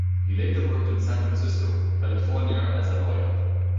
He later worked in San Francisco, California as a lawyer.